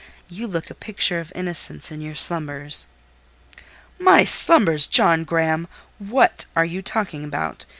You look the picture of innocence in your slumbers." "My slumbers, John Graham! What are you talking about?